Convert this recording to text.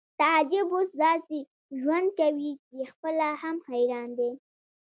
تعجب اوس داسې ژوند کوي چې خپله هم حیران دی